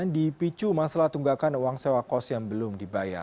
dipicu masalah tunggakan uang sewa kos yang belum dibayar